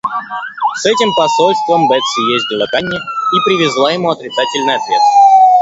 С этим посольством Бетси ездила к Анне и привезла ему отрицательный ответ.